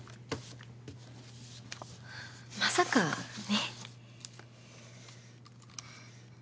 まさかね。